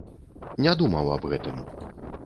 Не думаў аб гэтым.